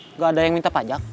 tidak ada yang minta pajak